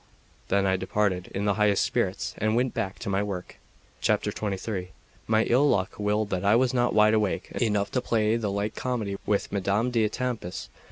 Then I departed in the highest spirits, and went back to my work. XXIII MY ill luck willed that I was not wide awake enough to play the like comedy with Madame d'Etampes.